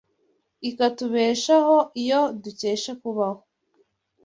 ikatubeshaho Yo dukesha kubaho